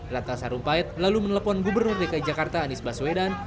ratna sarumpait lalu menelpon gubernur dki jakarta anies baswedan